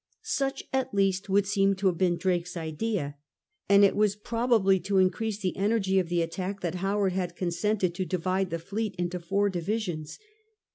Such at least would seem to have been Drake's idea ; and it was probably to increase the energy of the attack that Howard had consented to divide the fleet into four divisions.